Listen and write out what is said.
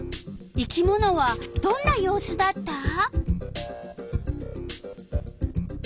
生き物はどんな様子だった？